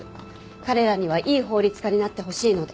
彼らにはいい法律家になってほしいので。